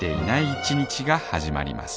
１日が始まります